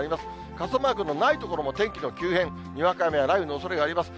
傘マークのない所も天気の急変、にわか雨や雷雨になるおそれがあります。